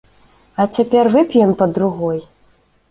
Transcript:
А цяпер вып'ем па другой!